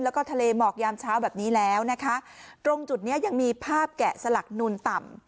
แล้วก็ทะเลหมอกยามเช้าแบบนี้แล้วนะคะตรงจุดเนี้ยยังมีภาพแกะสลักนุนต่ำ